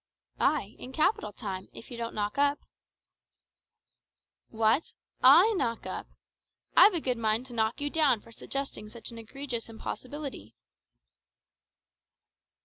"Ay, in capital time, if you don't knock up." "What! I knock up! I've a good mind to knock you down for suggesting such an egregious impossibility."